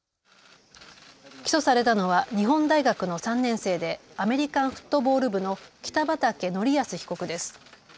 起訴されたのは日本大学の３年生でアメリカンフットボール部の北畠成文被告です。